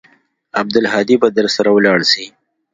عبدالهادي به درسره ولاړ سي.